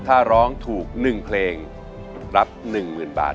ถ้าร้องถูก๑เพลงรับ๑๐๐๐บาท